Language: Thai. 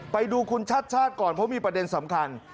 ไปดูคุณชัดก่อนเพราะมีประเด็นสำคัญ